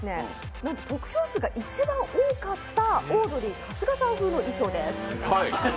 なんと得票数が一番多かったオードリー春日さん風の衣装です。